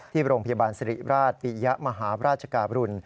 ที่โรงพยาบาลสิริราชปียะมหาราชการบรุณ